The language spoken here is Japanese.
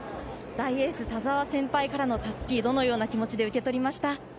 大エース、田澤先輩からのたすきどのような気持ちで受け取りました？